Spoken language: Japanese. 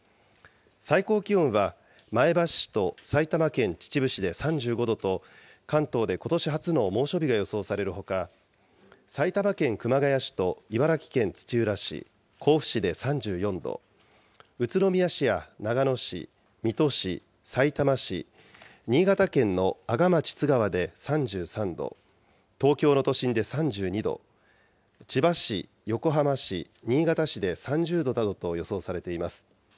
最高気温は前橋市と埼玉県秩父市で３５度と、関東でことし初の猛暑日が予想されるほか、埼玉県熊谷市と茨城県土浦市、甲府市で３４度、宇都宮市や長野市、水戸市、さいたま市、新潟県の阿賀町津川で３３度、東京の都心で３２度、千葉市、横浜市、新潟市で３０度などと予想されています。